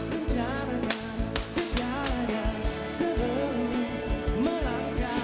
rencana segala yang sering melangkah